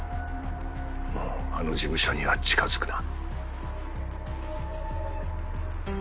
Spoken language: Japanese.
もうあの事務所には近づくな。